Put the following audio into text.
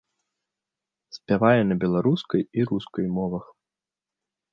Спявае на беларускай і рускай мовах.